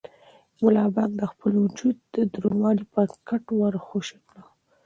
ملا بانګ د خپل وجود دروندوالی پر کټ ور خوشې کړ.